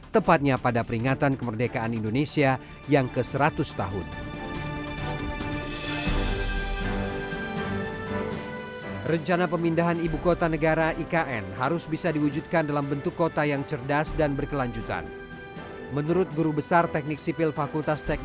tepatnya pada peringatan kemerdekaan indonesia yang ke seratus tahun